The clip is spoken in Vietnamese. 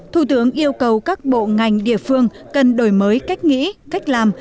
thủ tướng yêu cầu các bộ ngành địa phương cần đổi mới cách nghĩ cách làm